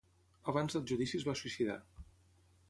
Abans del judici es va suïcidar.